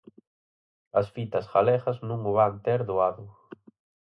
As fitas galegas non o van ter doado.